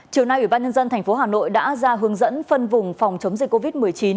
chiều nay ủy ban nhân dân tp hà nội đã ra hướng dẫn phân vùng phòng chống dịch covid một mươi chín